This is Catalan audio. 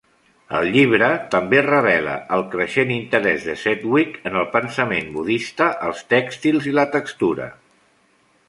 El llibre també revela el creixent interès de Sedgwick en el pensament budista, els tèxtils i la textura.